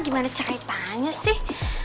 gimana ceritanya sih